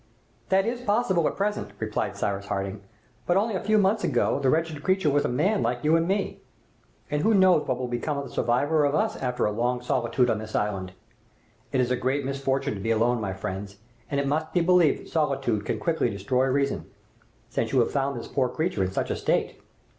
"That is possible at present," replied Cyrus Harding, "but only a few months ago the wretched creature was a man like you and me. And who knows what will become of the survivor of us after a long solitude on this island? It is a great misfortune to be alone, my friends; and it must be believed that solitude can quickly destroy reason, since you have found this poor creature in such a state!"